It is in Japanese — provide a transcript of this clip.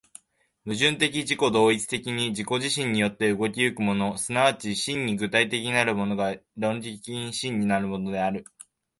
矛盾的自己同一的に自己自身によって動き行くもの、即ち真に具体的なるものが、論理的に真なるものである。